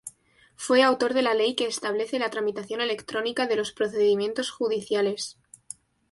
Fue autor de la ley que establece la tramitación electrónica de los procedimientos judiciales.